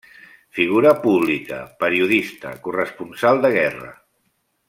Figura pública, periodista, corresponsal de guerra.